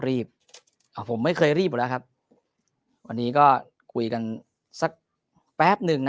อ่าผมไม่เคยรีบอยู่แล้วครับวันนี้ก็คุยกันสักแป๊บหนึ่งนะ